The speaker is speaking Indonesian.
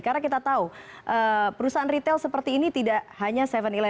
karena kita tahu perusahaan retail seperti ini tidak hanya tujuh sebelas